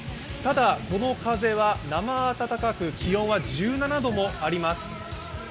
ただ、この風は生温かく、気温は１７度もあります。